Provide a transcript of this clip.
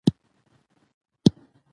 دا زموږ ګډه خاوره ده.